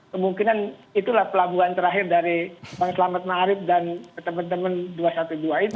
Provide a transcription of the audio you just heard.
kemungkinan itulah pelabuhan terakhir dari bang selamat ⁇ maarif dan teman teman dua ratus dua belas itu